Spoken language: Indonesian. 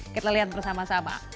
kita lihat bersama sama